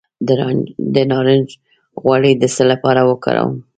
د نارنج غوړي د څه لپاره وکاروم؟